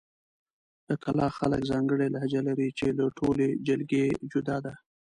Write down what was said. د کلاخ خلک ځانګړې لهجه لري، چې له ټولې جلګې جدا ده.